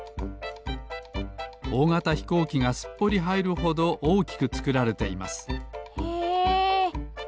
おおがたひこうきがすっぽりはいるほどおおきくつくられていますへえ！